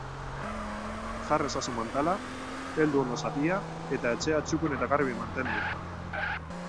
Jar ezazu mantala, heldu ondo zapia eta etxea txukun eta garbi mantendu.